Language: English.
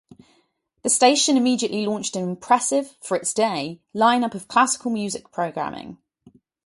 The station immediately launched an impressive, for its day, line-up of classical music programming.